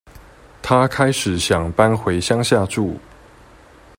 她開始想搬回鄉下住